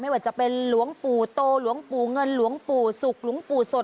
ว่าจะเป็นหลวงปู่โตหลวงปู่เงินหลวงปู่ศุกร์หลวงปู่สด